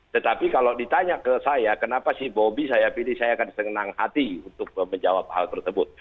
tetapi kalau ditanya ke saya kenapa si bobi saya pilih saya akan senang hati untuk menjawab hal tersebut